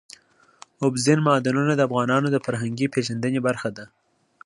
اوبزین معدنونه د افغانانو د فرهنګي پیژندنې برخه ده.